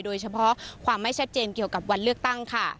โดยเฉพาะความไม่ชัดเจนเกี่ยวกับวันเลือกตั้งค่ะ